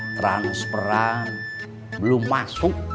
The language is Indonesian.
transperan belum masuk